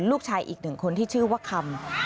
ลูกชายอีกหนึ่งคนที่ชื่อว่าคำ